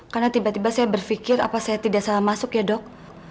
karena tiba tiba saya berpikir apa saya tidak salah masuk ya dok